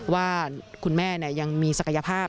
ว่าคุณแม่ยังมีศักยภาพ